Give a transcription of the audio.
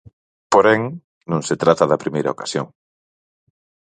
Porén, non se trata da primeira ocasión.